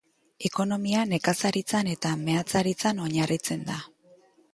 Ekonomia nekazaritzan eta meatzaritzan oinarritzen da.